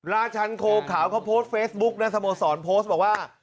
ชันโคขาวเขาโพสต์เฟซบุ๊กและสโมสรโพสต์บอกว่า